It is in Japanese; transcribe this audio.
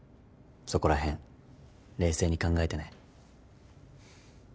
そこらへん冷静に考えてね。